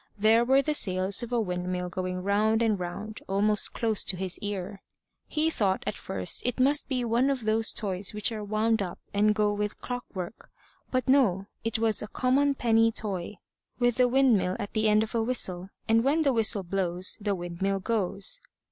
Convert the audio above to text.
There were the sails of a windmill going round and round almost close to his ear. He thought at first it must be one of those toys which are wound up and go with clockwork; but no, it was a common penny toy, with the windmill at the end of a whistle, and when the whistle blows the windmill goes.